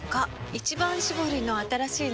「一番搾り」の新しいの？